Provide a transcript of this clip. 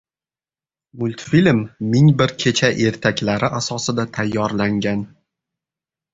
Multfilm “Ming bir kecha” ertaklari asosida tayyorlangan.